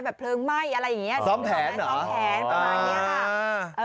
แบบเพลิงไหม้อะไรอย่างเงี้ยซ้อมแผนเหรอซ้อมแผนอ๋อ